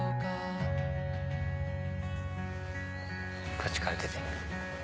こっちから出てみよう。